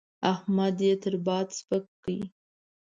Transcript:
احمد يې تر باد سپک کړ.